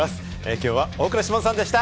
きょうは大倉士門さんでした。